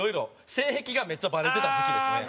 性癖がめっちゃバレてた時期ですね。